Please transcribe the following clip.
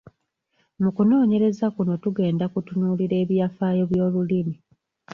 Mu kunoonyereza kuno tugenda kutunuulira ebyafaayo by'olulimi.